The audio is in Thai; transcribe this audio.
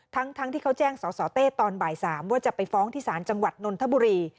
ทั้งที่เขาแจ้งสสเต้ตอนบ่าย๓ว่าจะไปฟ้องที่ศาลจังหวัดนนทบุรี